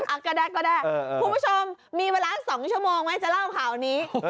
ก็ได้ก็ได้คุณผู้ชมมีเวลา๒ชั่วโมงไหมจะเล่าข่าวนี้